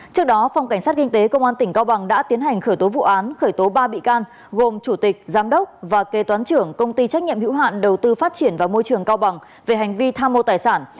trước đó phòng cảnh sát kinh tế công an tỉnh cao bằng đã tiến hành khởi tố vụ án khởi tố ba bị can gồm chủ tịch giám đốc và kê toán trưởng công ty trách nhiệm hữu hạn đầu tư phát triển và môi trường cao bằng về hành vi tham mô tài sản